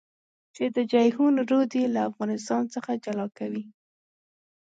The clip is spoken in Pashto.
چې د جېحون رود يې له افغانستان څخه جلا کوي.